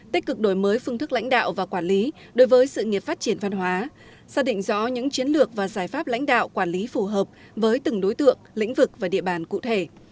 tích cực đổi mới phương thức lãnh đạo và quản lý đối với sự nghiệp phát triển văn hóa xác định rõ những chiến lược và giải pháp lãnh đạo quản lý phù hợp với từng đối tượng lĩnh vực và địa bàn cụ thể